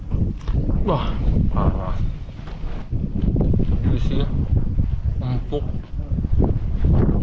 hadid selanjutnya kita menikmati udang ini macam bisa meng lind coast gar pendant mountain biasa menyerang su jumlah temen pumas dan breeding environment